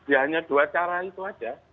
ya hanya dua cara itu saja